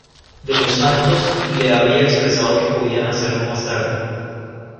De los Santos le habría expresado que podían hacerlo más tarde.